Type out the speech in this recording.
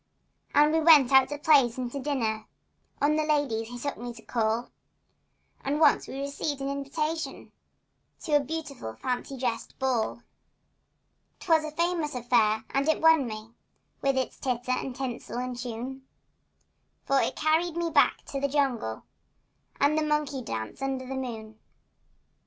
And we went out to plays and to dinners— On the ladies he took me to call— And once we received invitations To a beautiful fancy dress ball. 'Twas a famous affair and it won me, With its titter and tinsel and tune, For it carried me back to the jungle And the monkey dance under the moon.